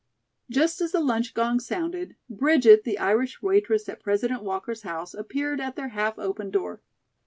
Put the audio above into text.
Just as the lunch gong sounded, Bridget, the Irish waitress at President Walker's house, appeared at their half open door.